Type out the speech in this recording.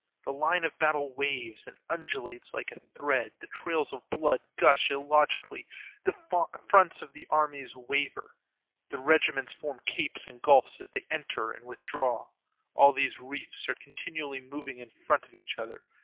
The line of battle waves and undulates like a thread, the trails of blood gush illogically, the fronts of the armies waver, the regiments form capes and gulfs as they enter and withdraw; all these reefs are continually moving in front of each other.